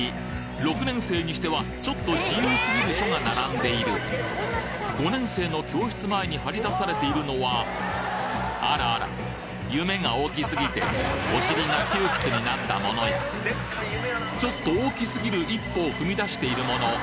６年生にしてはちょっと自由すぎる書が並んでいる５年生の教室前に貼りだされているのはあらあら夢が大きすぎてお尻が窮屈になったものやちょっと大きすぎる１歩を踏み出しているもの。